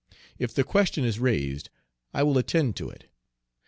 If the question is raised, I will attend to it.